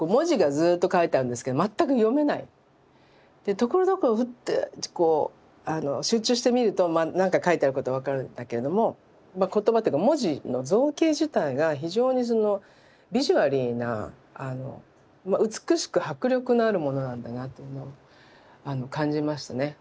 ところどころフッてこう集中して見るとまあなんか書いてあること分かるんだけれども言葉っていうか文字の造形自体が非常にビジュアリーな美しく迫力のあるものなんだなというのを感じましてね。